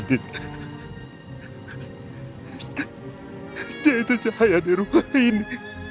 itu cahaya di rumah ini